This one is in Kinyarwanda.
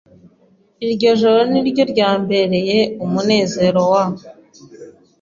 Iryo joro niryo ryambereye umunezero wa